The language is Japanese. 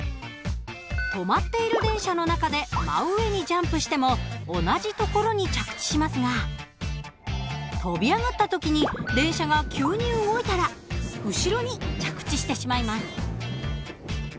止まっている電車の中で真上にジャンプしても同じ所に着地しますが跳び上がった時に電車が急に動いたら後ろに着地してしまいます。